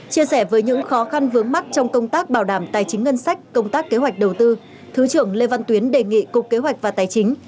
chia sẻ với những khó khăn vướng mắt trong công tác bảo đảm tài chính ngân sách công tác kế hoạch đầu tư thứ trưởng lê văn tuyến đề nghị cục kế hoạch và tài chính